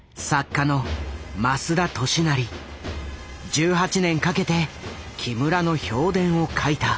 １８年かけて木村の評伝を書いた。